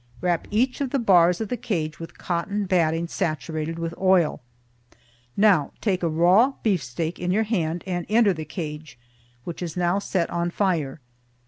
Wrap each of the bars of the cage with cotton batting saturated with oil. Now take a raw beefsteak in your hand and enter the cage, which is now set on fire.